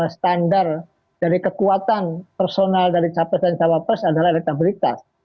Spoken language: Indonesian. standar dari kekuatan personal dari capres dan cawapres adalah elektabilitas